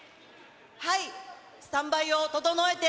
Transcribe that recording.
スタンバイを整えて。